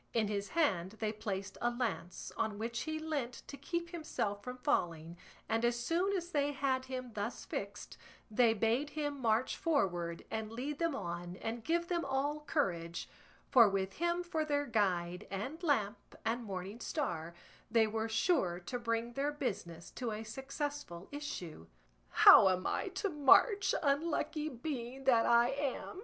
In his hand they placed a lance, on which he leant to keep himself from falling, and as soon as they had him thus fixed they bade him march forward and lead them on and give them all courage; for with him for their guide and lamp and morning star, they were sure to bring their business to a successful issue. "How am I to march, unlucky being that I am?"